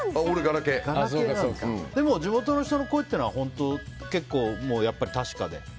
でも地元の人の声っていうのは結構、確かで？